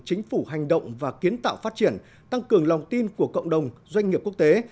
chính phủ hành động và kiến tạo phát triển tăng cường lòng tin của cộng đồng doanh nghiệp quốc tế